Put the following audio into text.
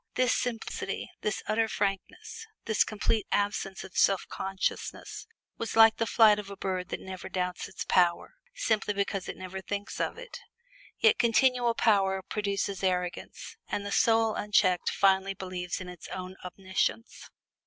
This simplicity, this utter frankness, this complete absence of self consciousness, was like the flight of a bird that never doubts its power, simply because it never thinks of it. Yet continual power produces arrogance, and the soul unchecked finally believes in its own omniscience.